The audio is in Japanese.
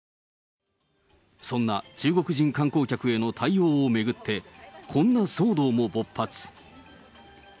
そんな中国人観光客への対応を巡って、こんな騒動も勃発。